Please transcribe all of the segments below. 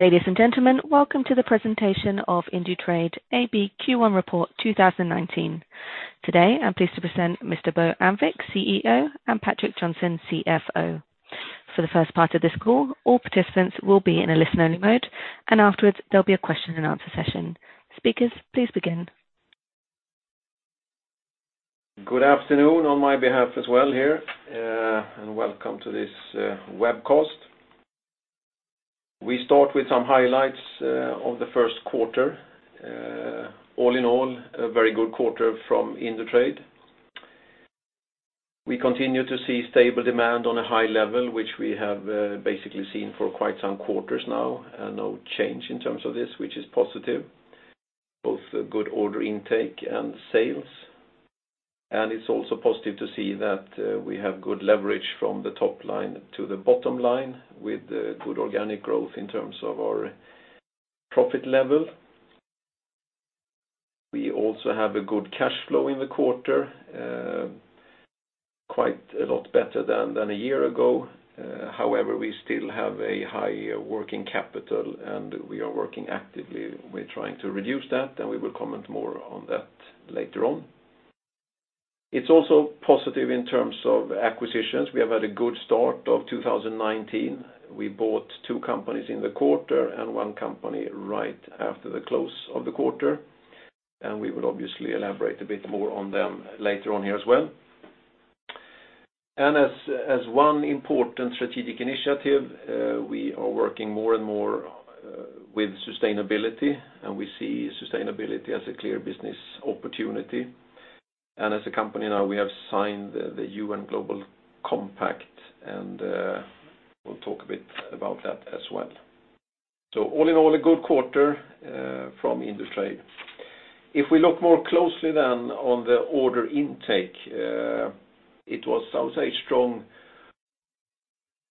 Ladies and gentlemen, welcome to the presentation of Indutrade AB Q1 Report 2019. Today, I'm pleased to present Mr. Bo Annvik, CEO, and Patrik Johnson, CFO. For the first part of this call, all participants will be in a listen-only mode, afterwards, there'll be a question and answer session. Speakers, please begin. Good afternoon on my behalf as well here, welcome to this webcast. We start with some highlights of the first quarter. All in all, a very good quarter from Indutrade. We continue to see stable demand on a high level, which we have basically seen for quite some quarters now, no change in terms of this, which is positive. Both good order intake and sales. It's also positive to see that we have good leverage from the top line to the bottom line with good organic growth in terms of our profit level. We also have a good cash flow in the quarter, quite a lot better than a year ago. However, we still have a high working capital, and we are working actively. We're trying to reduce that, we will comment more on that later on. It's also positive in terms of acquisitions. We have had a good start of 2019. We bought two companies in the quarter, one company right after the close of the quarter, we will obviously elaborate a bit more on them later on here as well. As one important strategic initiative, we are working more and more with sustainability, we see sustainability as a clear business opportunity. As a company now, we have signed the UN Global Compact, we'll talk a bit about that as well. All in all, a good quarter from Indutrade. If we look more closely on the order intake, it was, I would say, strong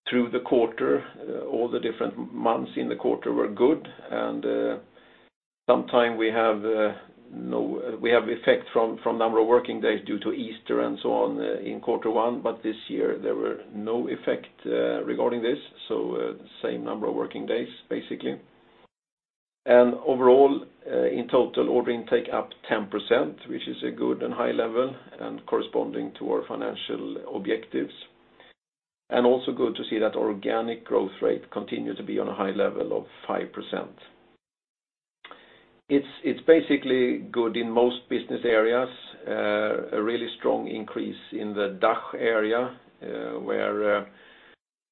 through the quarter. All the different months in the quarter were good, sometime we have effect from number of working days due to Easter and so on in quarter one, this year there were no effect regarding this, same number of working days, basically. Overall, in total, order intake up 10%, which is a good and high level corresponding to our financial objectives. Also good to see that organic growth rate continue to be on a high level of 5%. It's basically good in most business areas. A really strong increase in the DACH area, where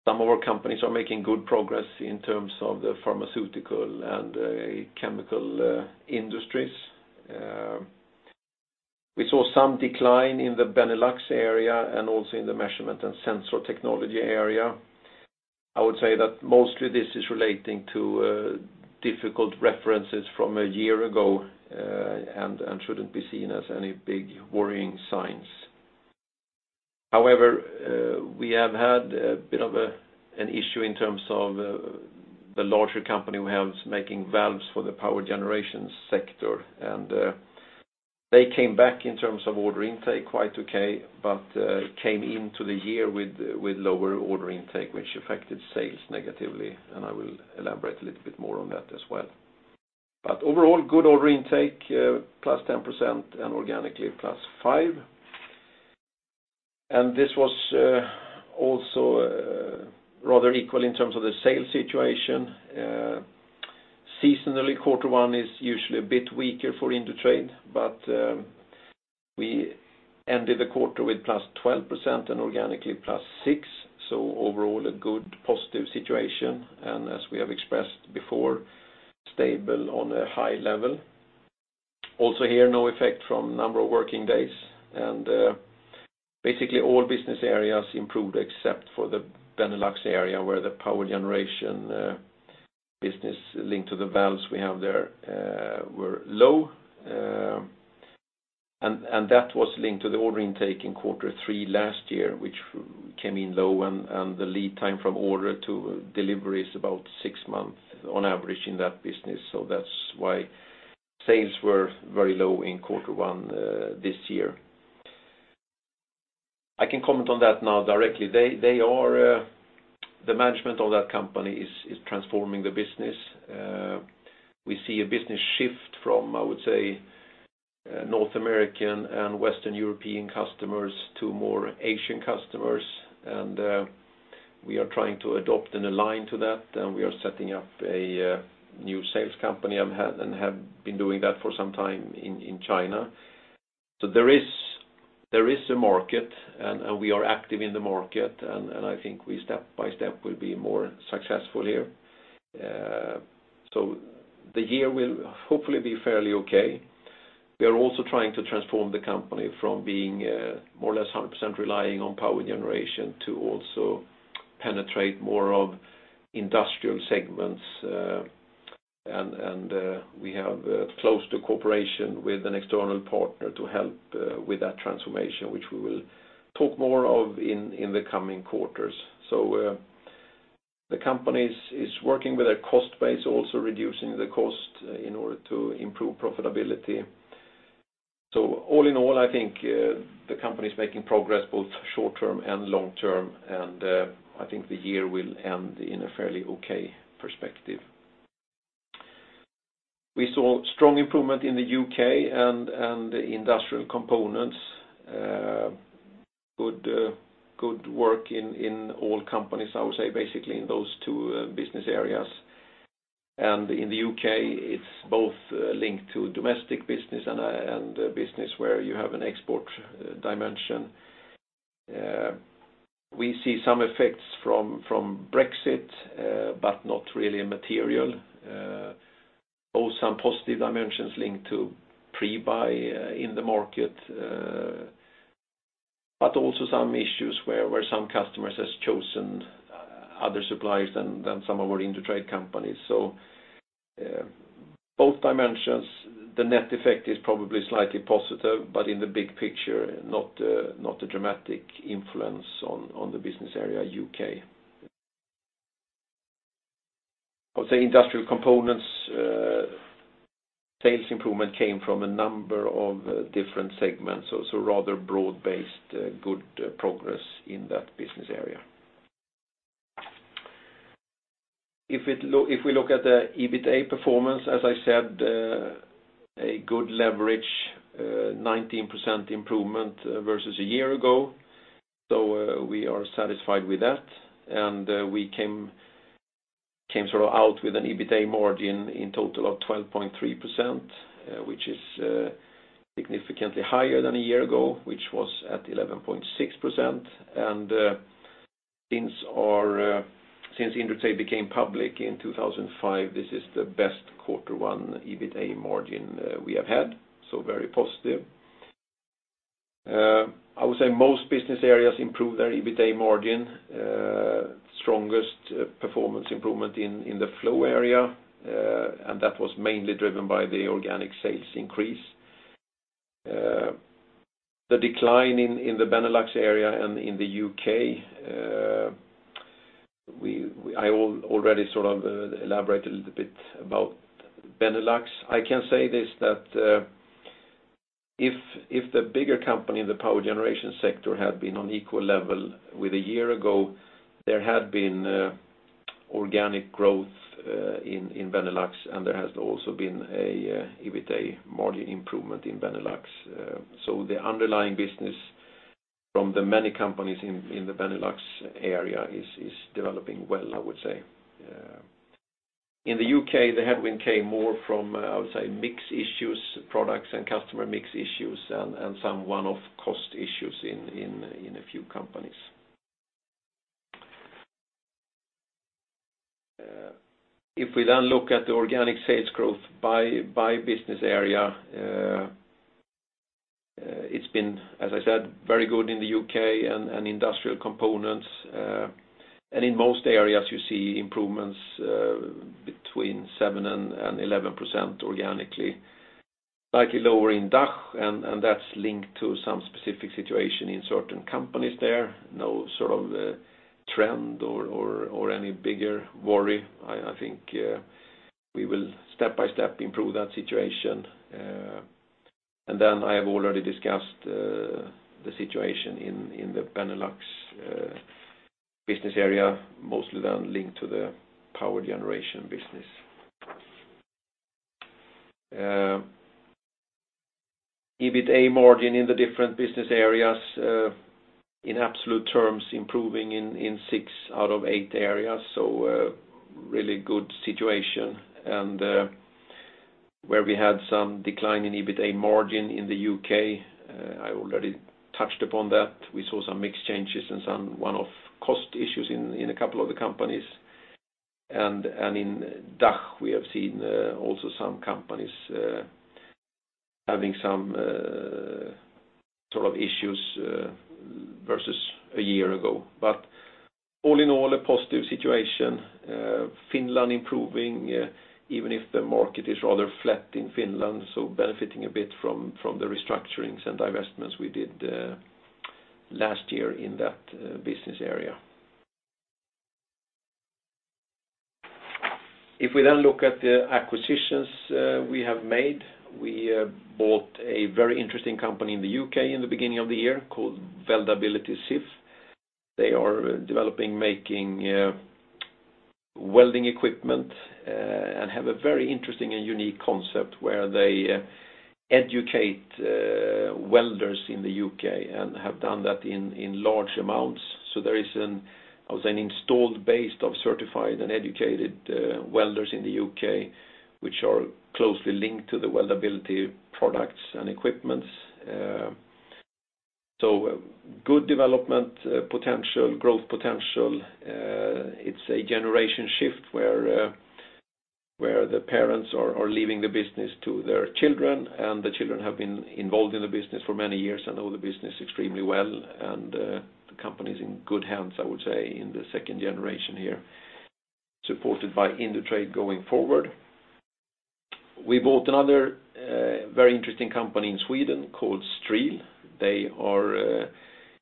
some of our companies are making good progress in terms of the pharmaceutical and chemical industries. We saw some decline in the Benelux area and also in the measurement and sensor technology area. I would say that mostly this is relating to difficult references from a year ago, shouldn't be seen as any big worrying signs. However, we have had a bit of an issue in terms of the larger company we have making valves for the power generation sector. They came back in terms of order intake quite okay, but came into the year with lower order intake, which affected sales negatively. I will elaborate a little bit more on that as well. Overall, good order intake, plus 10%, and organically plus 5%. This was also rather equal in terms of the sales situation. Seasonally, quarter one is usually a bit weaker for Indutrade, we ended the quarter with plus 12% and organically plus 6%, so overall a good positive situation and as we have expressed before, stable on a high level. Also here, no effect from number of working days. Basically all business areas improved except for the Benelux area where the power generation business linked to the valves we have there were low. That was linked to the order intake in quarter three last year, which came in low and the lead time from order to delivery is about six months on average in that business. That's why sales were very low in quarter one this year. I can comment on that now directly. The management of that company is transforming the business. We see a business shift from, I would say, North American and Western European customers to more Asian customers. We are trying to adopt and align to that. We are setting up a new sales company and have been doing that for some time in China. There is a market. We are active in the market, and I think we step by step will be more successful here. The year will hopefully be fairly okay. We are also trying to transform the company from being more or less 100% relying on power generation to also penetrate more of industrial segments. We have close to cooperation with an external partner to help with that transformation, which we will talk more of in the coming quarters. The company is working with a cost base, also reducing the cost in order to improve profitability. All in all, I think the company is making progress both short-term and long-term, and I think the year will end in a fairly okay perspective. We saw strong improvement in the U.K. and the industrial components. Good work in all companies, I would say, basically in those two business areas. In the U.K., it's both linked to domestic business and business where you have an export dimension. We see some effects from Brexit, not really material. Also, some positive dimensions linked to pre-buy in the market, also some issues where some customers have chosen other suppliers than some of our Indutrade companies. Both dimensions, the net effect is probably slightly positive, in the big picture, not a dramatic influence on the business area U.K. I would say industrial components sales improvement came from a number of different segments, rather broad-based good progress in that business area. If we look at the EBITA performance, as I said, a good leverage, 19% improvement versus a year ago. We are satisfied with that. We came out with an EBITDA margin in total of 12.3%, which is significantly higher than a year ago, which was at 11.6%. Since Indutrade became public in 2005, this is the best Q1 EBITDA margin we have had, so very positive. I would say most business areas improved their EBITDA margin. Strongest performance improvement in the flow area, that was mainly driven by the organic sales increase. The decline in the Benelux area and in the U.K., I already elaborated a little bit about Benelux. I can say this, that if the bigger company in the power generation sector had been on equal level with a year ago, there had been organic growth in Benelux, and there has also been an EBITDA margin improvement in Benelux. The underlying business from the many companies in the Benelux area is developing well, I would say. In the U.K., the headwind came more from, I would say, mix issues, products and customer mix issues, and some one-off cost issues in a few companies. If we look at the organic sales growth by business area, it's been, as I said, very good in the U.K. and industrial components. In most areas, you see improvements between 7%-11% organically. Slightly lower in DACH, that's linked to some specific situation in certain companies there. No sort of trend or any bigger worry. I think we will step by step improve that situation. I have already discussed the situation in the Benelux business area, mostly then linked to the power generation business. EBITDA margin in the different business areas, in absolute terms, improving in six out of eight areas, so a really good situation. Where we had some decline in EBITDA margin in the U.K., I already touched upon that. We saw some mix changes and some one-off cost issues in a couple of the companies. In DACH, we have seen also some companies having some sort of issues versus a year ago. All in all, a positive situation. Finland improving, even if the market is rather flat in Finland, so benefiting a bit from the restructurings and divestments we did last year in that business area. If we look at the acquisitions we have made, we bought a very interesting company in the U.K. in the beginning of the year called Weldability Sif. They are developing, making welding equipment, and have a very interesting and unique concept where they educate welders in the U.K. and have done that in large amounts. There is an installed base of certified and educated welders in the U.K., which are closely linked to the weldability products and equipment. Good development potential, growth potential. It's a generation shift where the parents are leaving the business to their children, and the children have been involved in the business for many years and know the business extremely well. The company's in good hands, I would say, in the second generation here, supported by Indutrade going forward. We bought another very interesting company in Sweden called STRIHL. They are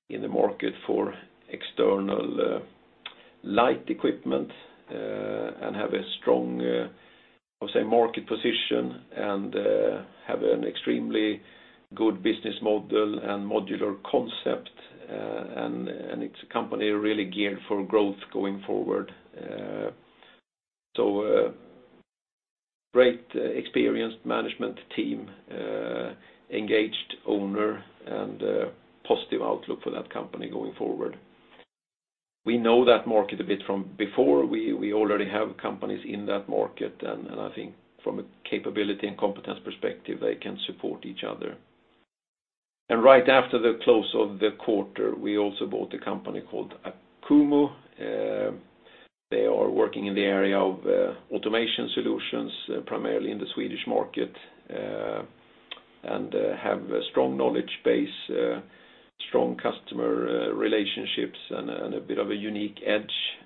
in the market for external light equipment and have a strong, I would say, market position and have an extremely good business model and modular concept, it's a company really geared for growth going forward. A great, experienced management team, engaged owner, and a positive outlook for that company going forward. We know that market a bit from before. We already have companies in that market, and I think from a capability and competence perspective, they can support each other. Right after the close of the quarter, we also bought a company called Acumo. They are working in the area of automation solutions, primarily in the Swedish market, and have a strong knowledge base, strong customer relationships, and a bit of a unique edge.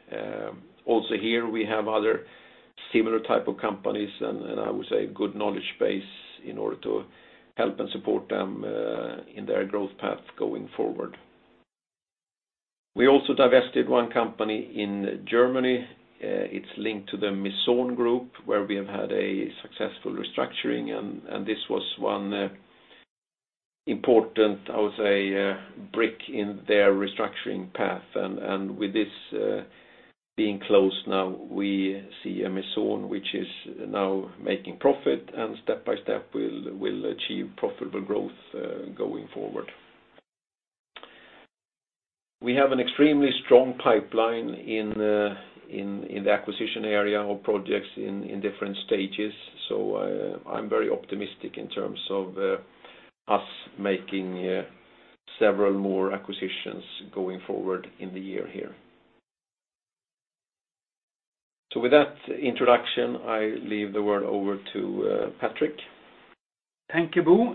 Also here, we have other similar type of companies and, I would say, a good knowledge base in order to help and support them in their growth path going forward. We also divested one company in Germany. It's linked to the Meson Group, where we have had a successful restructuring, and this was one important, I would say, brick in their restructuring path. With this being closed now, we see a Meson which is now making profit and step by step will achieve profitable growth going forward. We have an extremely strong pipeline in the acquisition area of projects in different stages. I'm very optimistic in terms of us making several more acquisitions going forward in the year here. With that introduction, I leave the word over to Patrik. Thank you, Bo.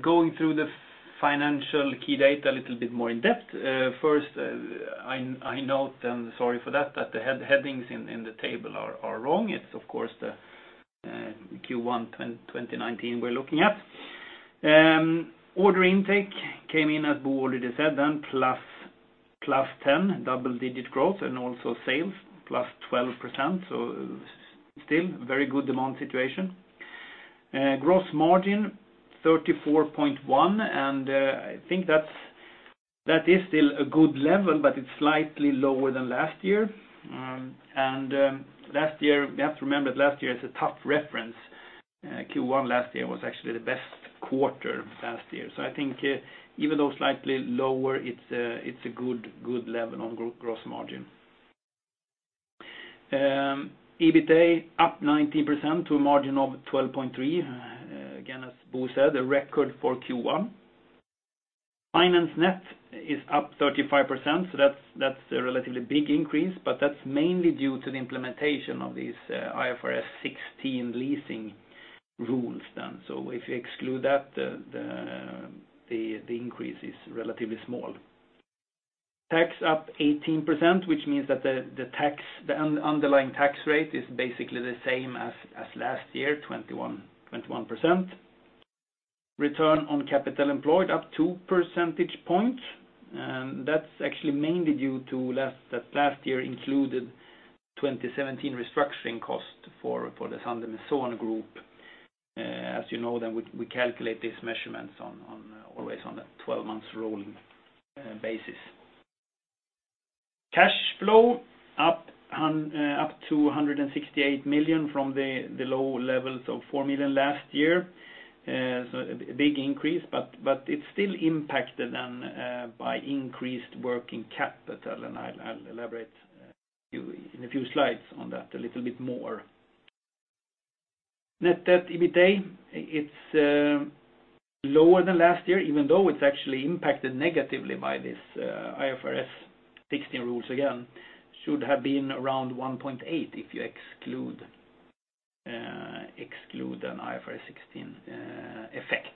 Going through the financial key data a little bit more in depth. First, I note, and sorry for that the headings in the table are wrong. It's of course the Q1 2019 we're looking at. Order intake came in, as Bo already said, plus 10%, double-digit growth, also sales, plus 12%, still a very good demand situation. Gross margin, 34.1%, I think that is still a good level, but it's slightly lower than last year. You have to remember that last year is a tough reference. Q1 last year was actually the best quarter of last year. I think even though slightly lower, it's a good level on gross margin. EBITDA up 19% to a margin of 12.3%. Again, as Bo said, a record for Q1. Finance net is up 35%, that's a relatively big increase, but that's mainly due to the implementation of these IFRS 16 leasing rules. If you exclude that, the increase is relatively small. Tax up 18%, which means that the underlying tax rate is basically the same as last year, 21%. Return on capital employed up two percentage points. That's actually mainly due to that last year included 2017 restructuring cost for the Sander Meson Group. As you know, we calculate these measurements always on that 12 months rolling basis. Cash flow up to 168 million from the low levels of 4 million last year. A big increase, but it's still impacted by increased working capital, and I'll elaborate in a few slides on that a little bit more. Net debt EBITDA, it's lower than last year, even though it's actually impacted negatively by these IFRS 16 rules again. Should have been around 1.8 if you exclude an IFRS 16 effects.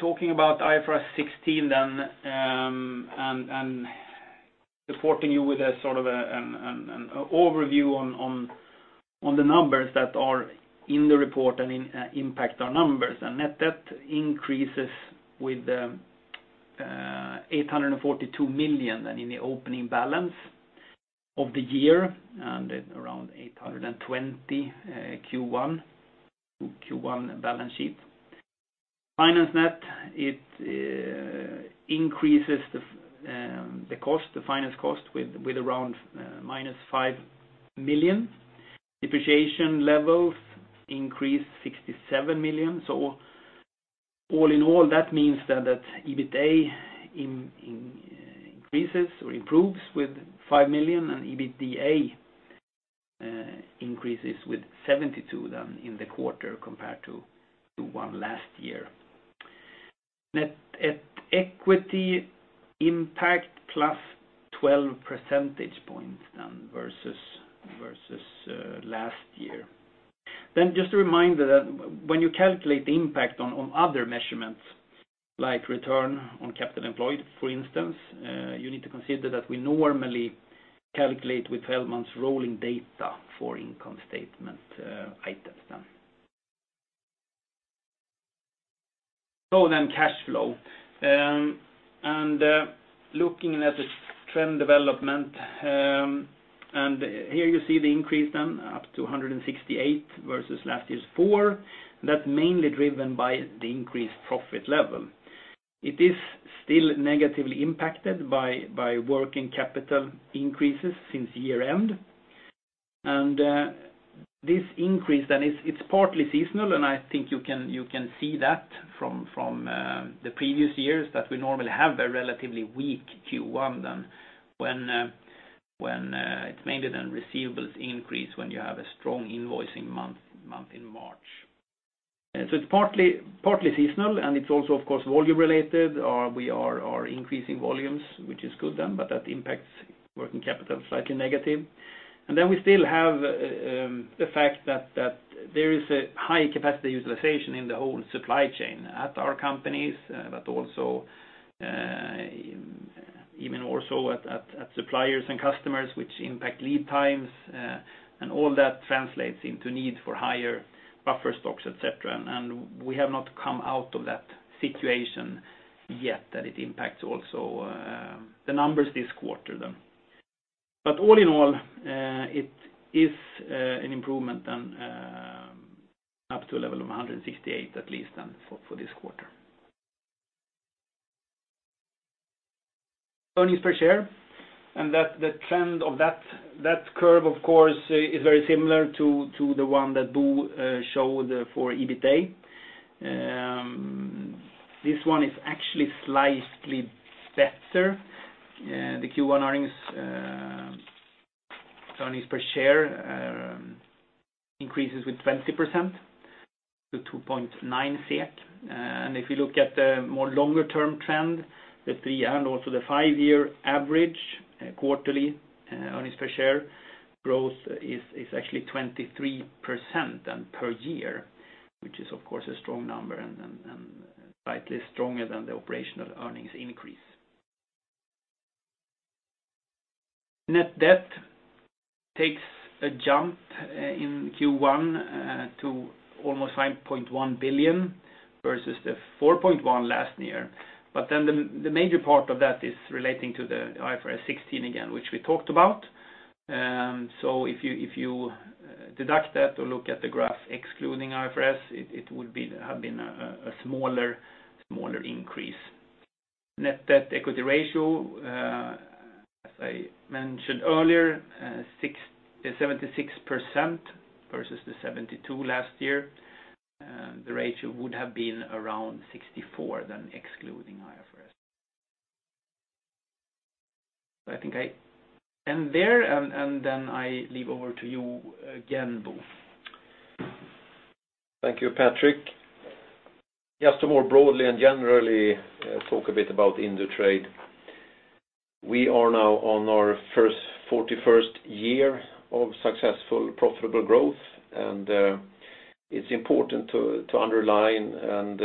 Talking about IFRS 16 and supporting you with an overview on the numbers that are in the report and impact our numbers. Net debt increases with 842 million in the opening balance of the year and around 820 Q1 balance sheet. Finance net, it increases the finance cost with around -5 million. Depreciation levels increase 67 million. All in all, that means that EBITA increases or improves with 5 million and EBITDA increases with 72 million in the quarter compared to one last year. Net equity impact +12 percentage points versus last year. Just a reminder that when you calculate the impact on other measurements like return on capital employed, for instance, you need to consider that we normally calculate with 12 months rolling data for income statement items. Cash flow, and looking at the trend development. Here you see the increase up to 168 versus last year's 4. That's mainly driven by the increased profit level. It is still negatively impacted by working capital increases since year-end. This increase, it's partly seasonal, and I think you can see that from the previous years that we normally have a relatively weak Q1 when it's mainly receivables increase when you have a strong invoicing month in March. It's partly seasonal, and it's also of course, volume related. We are increasing volumes, which is good, but that impacts working capital slightly negative. We still have the fact that there is a high capacity utilization in the whole supply chain at our companies, but also even more so at suppliers and customers, which impact lead times, and all that translates into need for higher buffer stocks, et cetera. We have not come out of that situation yet, that it impacts also the numbers this quarter. All in all, it is an improvement up to a level of 168 at least for this quarter. Earnings per share, the trend of that curve, of course, is very similar to the one that Bo showed for EBITA. This one is actually slightly better. The Q1 earnings per share increases with 20% to 2.9 SEK. If you look at the more longer term trend, the 3 and also the 5-year average quarterly earnings per share growth is actually 23% per year, which is, of course, a strong number and slightly stronger than the operational earnings increase. Net debt takes a jump in Q1 to almost 5.1 billion versus the 4.1 last year. The major part of that is relating to the IFRS 16 again, which we talked about. If you deduct that or look at the graph excluding IFRS, it would have been a smaller increase. Net debt equity ratio, as I mentioned earlier, 76% versus the 72% last year. The ratio would have been around 64% excluding IFRS. I think I end there and I leave over to you again, Bo. Thank you, Patrik. Just to more broadly and generally talk a bit about Indutrade. We are now on our 41st year of successful profitable growth, and it's important to underline and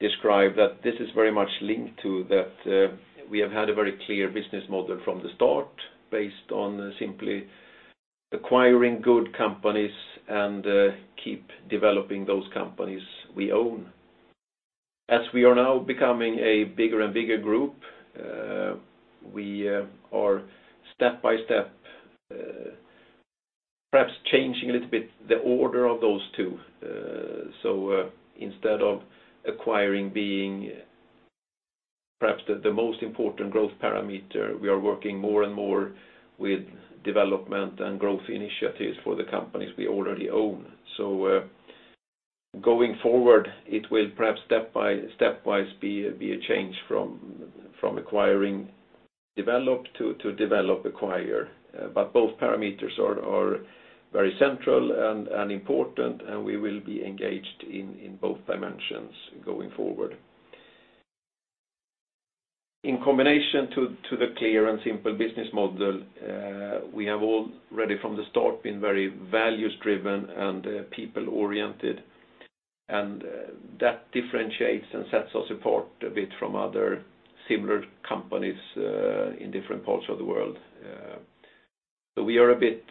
describe that this is very much linked to that we have had a very clear business model from the start based on simply acquiring good companies and keep developing those companies we own. As we are now becoming a bigger and bigger group, we are step by step perhaps changing a little bit the order of those two. Instead of acquiring being perhaps the most important growth parameter, we are working more and more with development and growth initiatives for the companies we already own. Going forward, it will perhaps stepwise be a change from acquiring, develop to develop, acquire. Both parameters are very central and important, and we will be engaged in both dimensions going forward. In combination to the clear and simple business model, we have already from the start been very values driven and people oriented, and that differentiates and sets us apart a bit from other similar companies in different parts of the world. We are a bit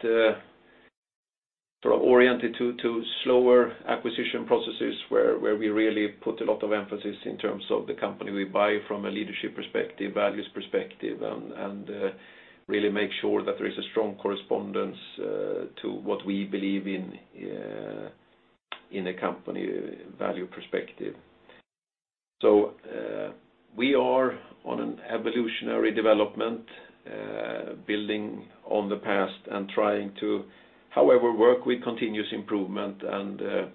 oriented to slower acquisition processes where we really put a lot of emphasis in terms of the company we buy from a leadership perspective, values perspective, and really make sure that there is a strong correspondence to what we believe in a company value perspective. We are on an evolutionary development, building on the past and trying to, however, work with continuous improvement and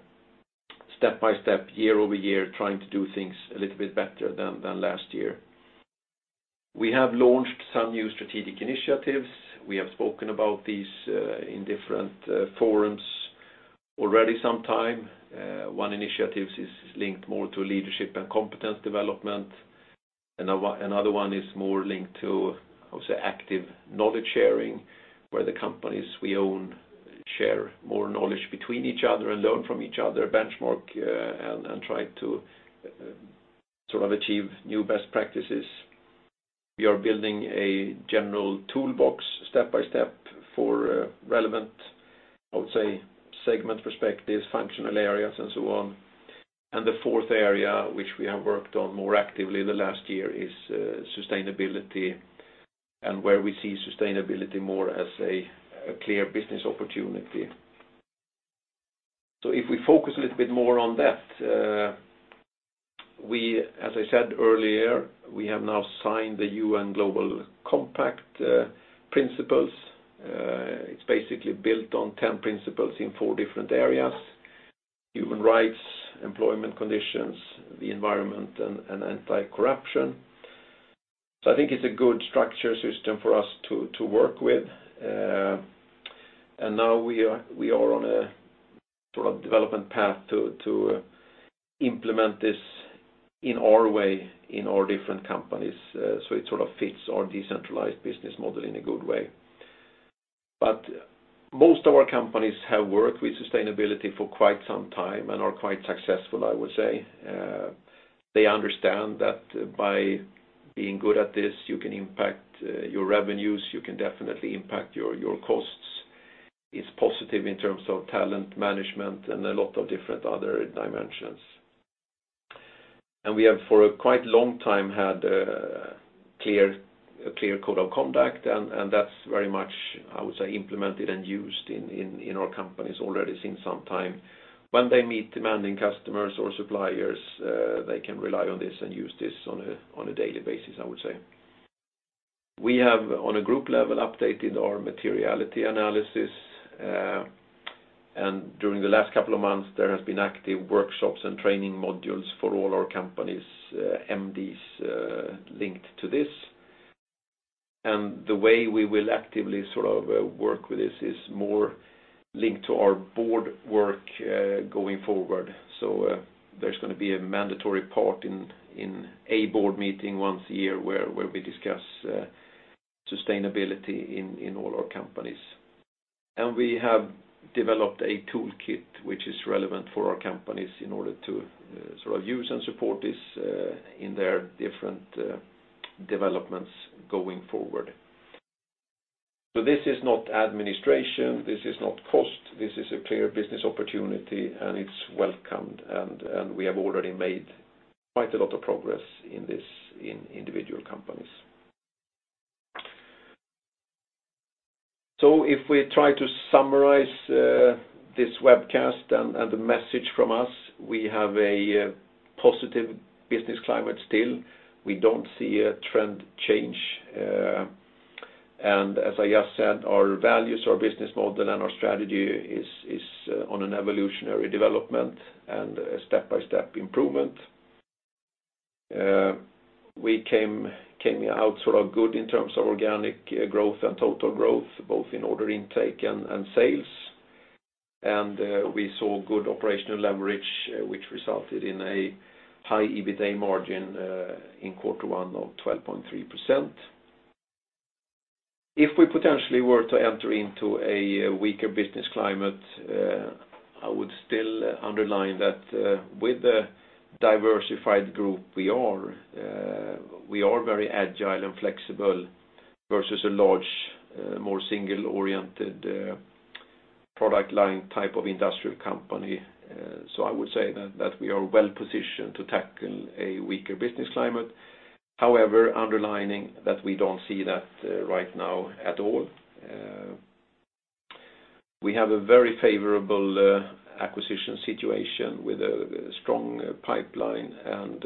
step by step, year over year, trying to do things a little bit better than last year. We have launched some new strategic initiatives. We have spoken about these in different forums already some time. One initiative is linked more to leadership and competence development. Another one is more linked to, I would say, active knowledge sharing, where the companies we own share more knowledge between each other and learn from each other, benchmark, and try to achieve new best practices. We are building a general toolbox step by step for relevant, I would say, segment perspectives, functional areas, and so on. The fourth area, which we have worked on more actively in the last year, is sustainability, and where we see sustainability more as a clear business opportunity. If we focus a little bit more on that, as I said earlier, we have now signed the UN Global Compact principles. It's basically built on 10 principles in four different areas: human rights, employment conditions, the environment, and anti-corruption. I think it's a good structure system for us to work with. Now we are on a development path to implement this in our way in our different companies. It sort of fits our decentralized business model in a good way. Most of our companies have worked with sustainability for quite some time and are quite successful, I would say. They understand that by being good at this, you can impact your revenues, you can definitely impact your costs. It's positive in terms of talent management and a lot of different other dimensions. And we have, for a quite long time, had a clear code of conduct, and that's very much, I would say, implemented and used in our companies already since some time. When they meet demanding customers or suppliers, they can rely on this and use this on a daily basis, I would say. We have, on a group level, updated our materiality analysis. During the last couple of months, there has been active workshops and training modules for all our companies, MDs linked to this. The way we will actively work with this is more linked to our board work going forward. There's going to be a mandatory part in a board meeting once a year where we discuss sustainability in all our companies. We have developed a toolkit which is relevant for our companies in order to use and support this in their different developments going forward. This is not administration, this is not cost, this is a clear business opportunity, and it's welcomed, and we have already made quite a lot of progress in this in individual companies. If we try to summarize this webcast and the message from us, we have a positive business climate still. We don't see a trend change. As I just said, our values, our business model, and our strategy is on an evolutionary development and a step-by-step improvement. We came out good in terms of organic growth and total growth, both in order intake and sales. We saw good operational leverage, which resulted in a high EBITA margin in quarter one of 12.3%. If we potentially were to enter into a weaker business climate, I would still underline that with the diversified group we are, we are very agile and flexible versus a large, more single-oriented product line type of industrial company. I would say that we are well-positioned to tackle a weaker business climate. However, underlining that we don't see that right now at all. We have a very favorable acquisition situation with a strong pipeline and,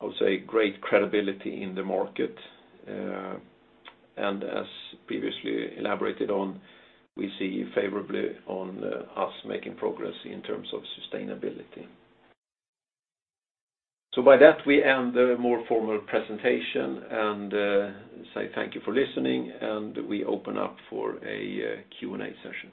I would say, great credibility in the market. As previously elaborated on, we see favorably on us making progress in terms of sustainability. By that, we end the more formal presentation and say thank you for listening, and we open up for a Q&A session.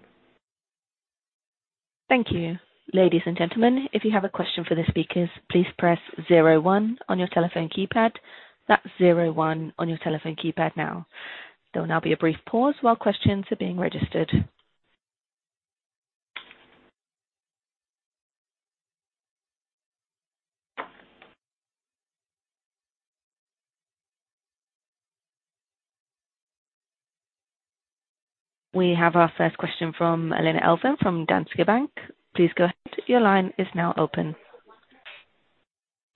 Thank you. Ladies and gentlemen, if you have a question for the speakers, please press 01 on your telephone keypad. That's 01 on your telephone keypad now. There will now be a brief pause while questions are being registered. We have our first question from Elena from Danske Bank. Please go ahead. Your line is now open.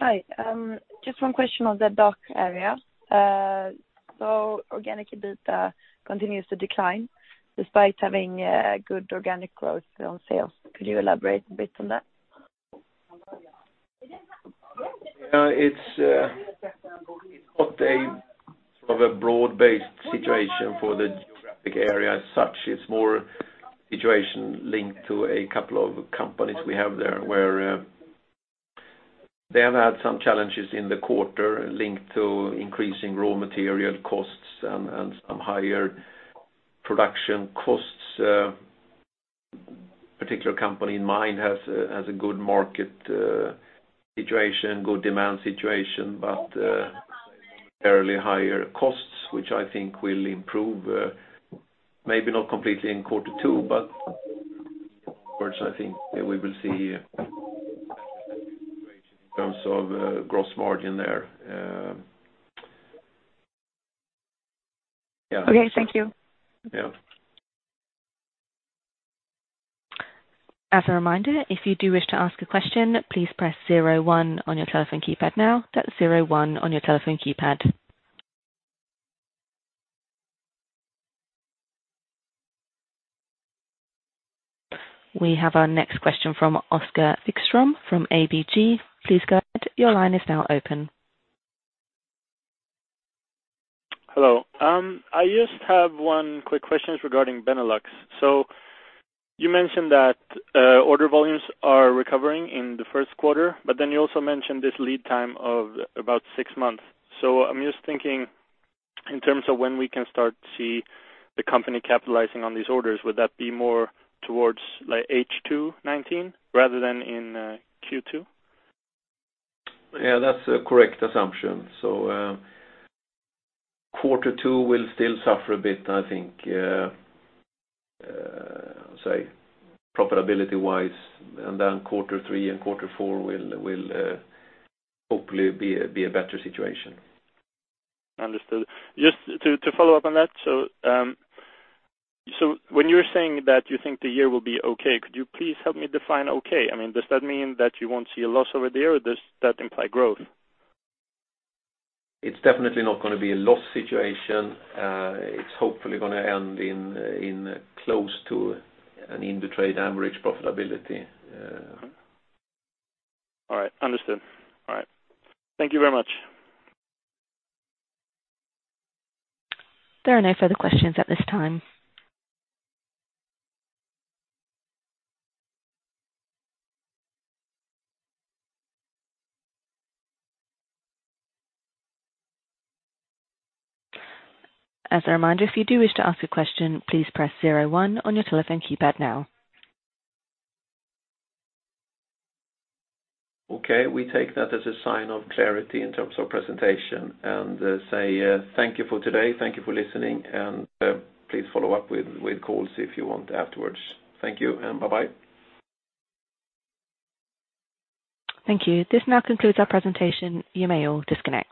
Hi. Just one question on the DACH area. Organic EBITA continues to decline despite having good organic growth on sales. Could you elaborate a bit on that? It's not a broad-based situation for the geographic area as such. It's more a situation linked to a couple of companies we have there, where they have had some challenges in the quarter linked to increasing raw material costs and some higher production costs. Particular company in mind has a good market situation, good demand situation, but fairly higher costs, which I think will improve, maybe not completely in quarter two, but onwards, I think we will see in terms of gross margin there. Okay, thank you. Yeah. As a reminder, if you do wish to ask a question, please press zero one on your telephone keypad now. That's zero one on your telephone keypad. We have our next question from Oscar Wikstrom from ABG. Please go ahead. Your line is now open. Hello. I just have one quick question regarding Benelux. You mentioned that order volumes are recovering in the first quarter, you also mentioned this lead time of about six months. I'm just thinking in terms of when we can start to see the company capitalizing on these orders. Would that be more towards H2 2019 rather than in Q2? Yeah, that's a correct assumption. Quarter two will still suffer a bit, I think, profitability-wise, quarter three and quarter four will hopefully be a better situation. Understood. Just to follow up on that. When you're saying that you think the year will be okay, could you please help me define okay? Does that mean that you won't see a loss over the year or does that imply growth? It's definitely not going to be a loss situation. It's hopefully going to end in close to an Indutrade average profitability. All right. Understood. All right. Thank you very much. There are no further questions at this time. As a reminder, if you do wish to ask a question, please press zero one on your telephone keypad now. Okay, we take that as a sign of clarity in terms of presentation, and say, thank you for today. Thank you for listening, and please follow up with calls if you want afterwards. Thank you and bye-bye. Thank you. This now concludes our presentation. You may all disconnect.